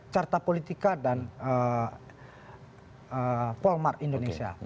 carta politika dan polmart indonesia